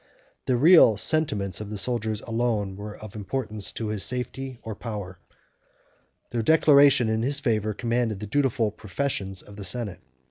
23 The real sentiments of the soldiers alone were of importance to his power or safety. Their declaration in his favor commanded the dutiful professions of the senate.